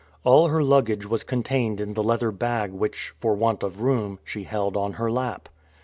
All her luggage was contained in the leather bag which, for want of room, she held on her lap.